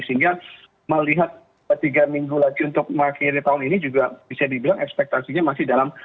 sehingga melihat tiga minggu lagi untuk mengakhiri tahun ini juga bisa dibilang ekspektasinya masih dalam